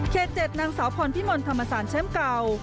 ๗นางสาวพรพิมลธรรมศาลแชมป์เก่า